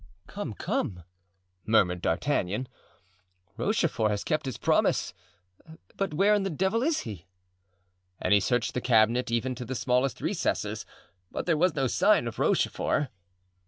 "Come, come," murmured D'Artagnan, "Rochefort has kept his promise, but where in the devil is he?" And he searched the cabinet even to the smallest recesses, but there was no sign of Rochefort.